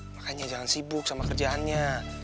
makanya jangan sibuk sama kerjaannya